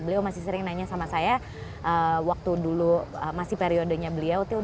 beliau masih sering nanya sama saya waktu dulu masih periodenya beliau tuh